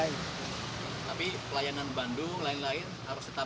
tapi pelayanan bandung lain lain harus tetap